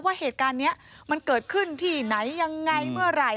ว่าเหตุการณ์นี้มันเกิดขึ้นที่ไหนยังไงเมื่อไหร่